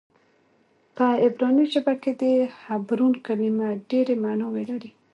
په عبراني ژبه کې د حبرون کلمه ډېرې معناوې لري.